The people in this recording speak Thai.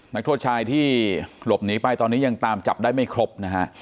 นักโทษชายที่หลบหนีไปตอนนี้ยังตามจับได้ไม่ครบนะฮะ